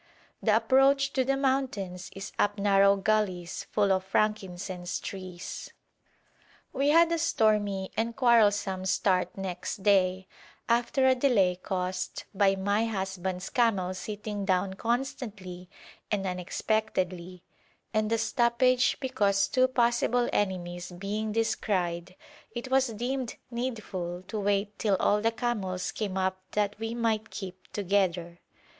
The approach to the mountains is up narrow gulleys full of frankincense trees. We had a stormy and quarrelsome start next day, after a delay caused by my husband's camel sitting down constantly and unexpectedly, and a stoppage because two possible enemies being descried it was deemed needful to wait till all the camels came up that we might keep together.